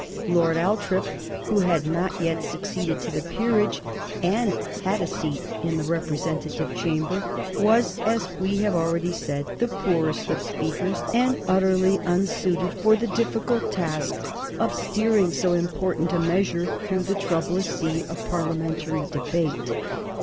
Lord Althorp, who had not yet succeeded to the peerage, and had a seat in the representative chamber, was, as we have already said, the poorest of speakers, and utterly unsuited for the difficult task of steering so important a measure through the troublous sea of Parliamentary debate.